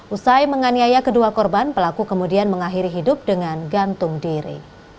usai menganiaya kedua korban pelaku kemudian mengakhiri hidup dengan gantung diri